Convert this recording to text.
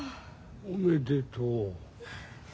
おめでとう。